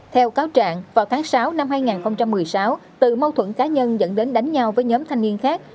theo cáo trạng vào tháng sáu năm hai nghìn một mươi sáu từ mâu thuẫn cá nhân dẫn đến đánh nhau với nhóm thanh niên khác